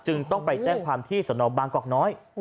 จึงต้องไปแจ้งความที่สำหรับบางครกน้อย